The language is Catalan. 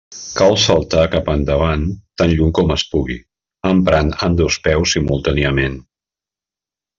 Cal saltar cap endavant tan lluny com es pugui, emprant ambdós peus simultàniament.